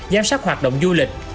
giám sát hoạt động du lịch